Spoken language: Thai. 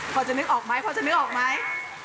พอจะนึกออกไหมพ่อจะนึกออกไหม